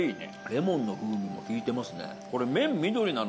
レモンの風味も利いてますね。